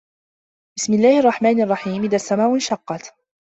بِسمِ اللَّهِ الرَّحمنِ الرَّحيمِ إِذَا السَّماءُ انشَقَّت